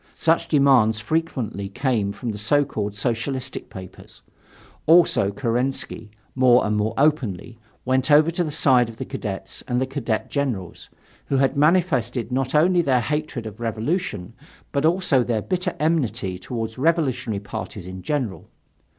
Such demands frequently came from the so called Socialistic papers, also Kerensky, more and more openly, went over to the side of the Cadets and the Cadet generals, who had manifested not only their hatred of revolution, but also their bitter enmity toward revolutionary parties in general.